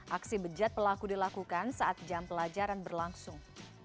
aksi bejat pelaku dilakukan saat jam pelajaran berlangsung